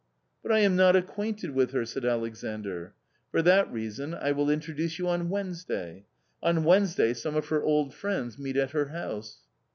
" But I am not acquainted with her," said Alexandr. "For that reason I will introduce you on Wednesday. On Wednesday some of her old friends meet at her house."